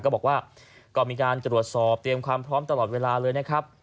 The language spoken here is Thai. ก็บอกว่าก็มีการตรวจสอบเตรียมความพร้อมตลอดเวลาเลยนะครับ